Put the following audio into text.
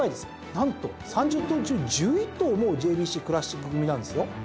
何と３０頭中１１頭もＪＢＣクラシック組なんですよ。